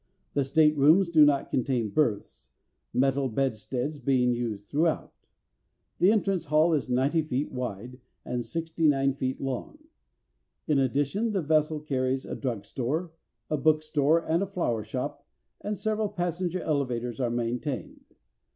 The staterooms do not contain berths, metal bedsteads being used throughout. The entrance hall is 90 feet wide, and 69 feet long. In addition the vessel carries a drug store, a book store, and a flower shop, and several passenger elevators are maintained.